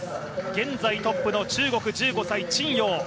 現在トップの中国１５歳、陳ヨウ。